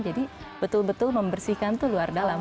jadi betul betul membersihkan tuh luar dalam